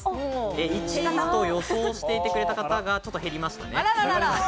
１位と予想していてくれた方がちょっと減りました。